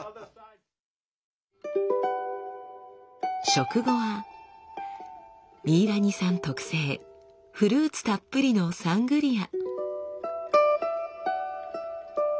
食後はミイラニさん特製フルーツたっぷりのサングリア。